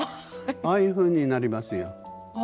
ああいうふうになりますよ。